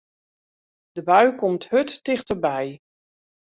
De bui komt hurd tichterby.